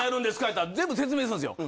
言ったら全部説明するんですよ。